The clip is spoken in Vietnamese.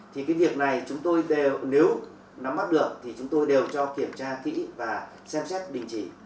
thì cái việc này chúng tôi nếu nắm mắt được thì chúng tôi đều cho kiểm tra kỹ và xem xét đình chỉ